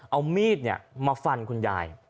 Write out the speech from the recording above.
เอามีดเนี่ยมาฟันคุณยาย